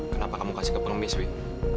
kenapa kamu kasih ke pengemis nih